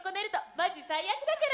マジ最悪だから。